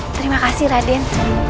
terima kasih raden